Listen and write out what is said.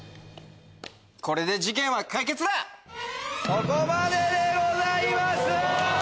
そこまででございます！